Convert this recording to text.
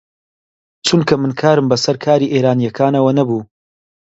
چونکە من کارم بە سەر کاری ئێرانییەکانەوە نەبوو